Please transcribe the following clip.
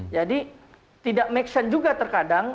jadi tidak make sense juga terkadang